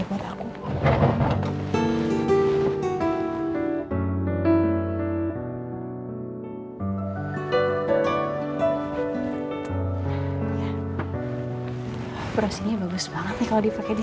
gimana kalau di hari pernikahan kita kita tukeran kado